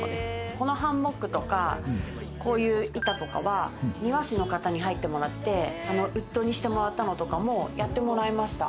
このハンモックとかこういう板とかは庭師の方に入ってもらってウッドにしてもらったのとかもやってもらいました。